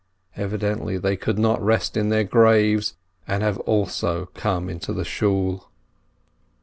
Evidently they could not rest in their graves, and have also come into the Shool.